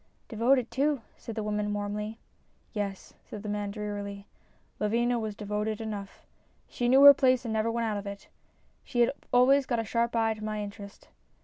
" Devoted, too," said the woman, warmly. " Yes," the man said drearily, " Lavinia was devoted enough. She knew her place and never went out of it. She had always got a sharp eye to my interest.